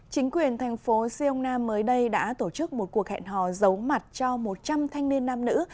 chính quyền thành phố siêu nam mới đây đã tổ chức một cuộc hẹn hò giấu mặt cho một trăm linh thanh niên nam nữ